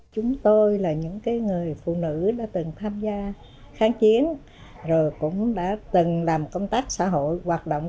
chúng tôi là những người phụ nữ đã từng tham gia kháng chiến rồi cũng đã từng làm công tác xã hội hoạt động